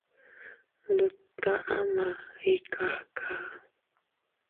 Nduttaʼa ma ikaka.